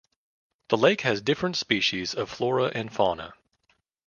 The Lake has different species of flora and fauna.